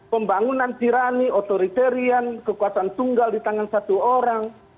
pembangunan tirani otoritarian kekuasaan tunggal di tangan satu orang